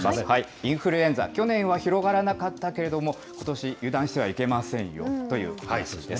インフルエンザ、去年は広がらなかったけれども、ことし、油断してはいけませんよという話です。